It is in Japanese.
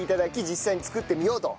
実際に作ってみようと。